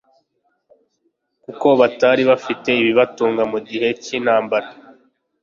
kuko batari bafite ibibatunga mu gihe cy'intambara